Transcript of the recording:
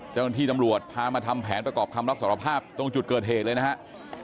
เจ้าหน้าที่ตำรวจพามาทำแผนประกอบคำรับสารภาพตรงจุดเกิดเหตุเลยนะครับ